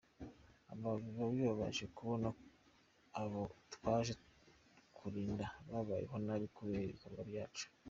Ati” Biba bibabaje kubona abo twaje kurinda babayeho nabi kubera ibikorwa byacu.